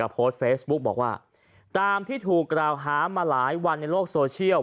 โพสต์เฟซบุ๊กบอกว่าตามที่ถูกกล่าวหามาหลายวันในโลกโซเชียล